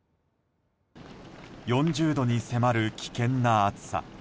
４０度に迫る危険な暑さ。